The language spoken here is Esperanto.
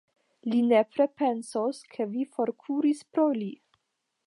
Li nepre pensos, ke vi forkuris pro li!